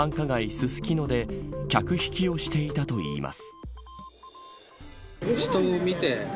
ススキノで客引きをしていたといいます。